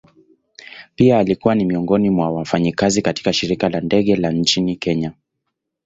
Pia alikuwa ni miongoni mwa wafanyakazi katika shirika la ndege la nchini kenya.